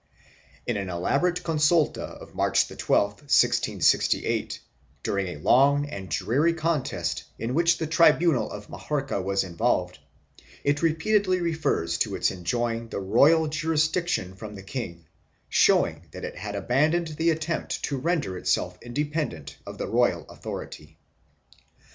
In an elaborate consulta of March 12, 1668, during a long and dreary contest, in which the tribunal of Majorca was involved, it repeatedly refers to its enjoying the royal jurisdic tion from the king, showing that it had abandoned the attempt to render itself independent of the royal authority.